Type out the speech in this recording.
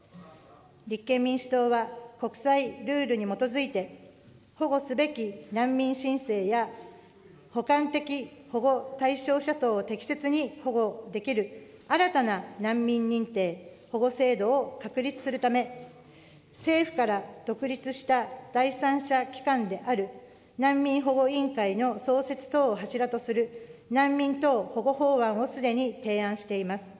立憲民主党は国際ルールに基づいて、保護すべき難民申請や、補完的保護対象者等を適切に保護できる新たな難民認定・保護制度を確立するため、政府から独立した第三者機関である、難民保護委員会の創設等を柱とする難民等保護法案をすでに提案しています。